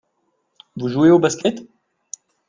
Vous jouez au Basket ?